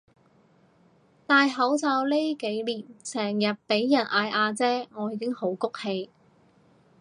戴口罩呢幾年成日畀人嗌阿姐我已經好谷氣